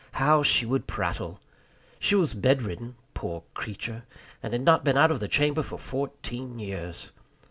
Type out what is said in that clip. How she would prattle! She was bedridden poor creature! and had not been out of the chamber for fourteen years.